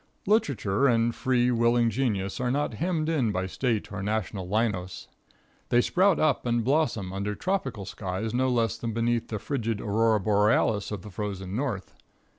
Literature and free, willing genius are not hemmed in by State or national linos. They sprout up and blossom under tropical skies no less than beneath the frigid aurora borealis of the frozen North.